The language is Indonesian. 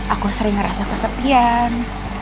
aku sering ngerasa kesepian